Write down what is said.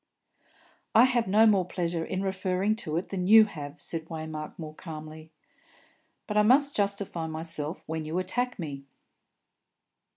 "I have no more pleasure in referring to it than you have," said Waymark, more calmly; "but I must justify myself when you attack me."